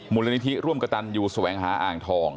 มูลนิธิร่วมกระตันยูแสวงหาอ่างทอง